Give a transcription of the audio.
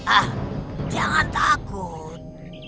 ah jangan takut